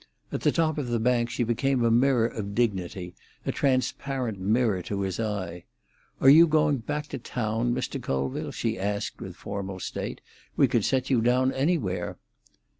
At the top of the bank she became a mirror of dignity, a transparent mirror to his eye. "Are you going back to town, Mr. Colville?" she asked, with formal state. "We could set you down anywhere!"